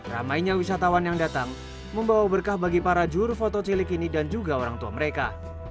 ramainya wisatawan yang datang membawa berkah bagi para juru foto cilik ini dan juga orang tua mereka